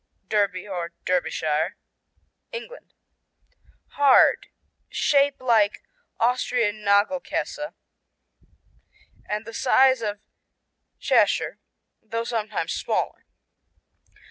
Derby, or Derbyshire England Hard; shape like Austrian Nagelkassa and the size of Cheshire though sometimes smaller.